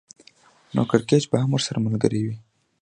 نو کړکېچ به هم ورسره ملګری وي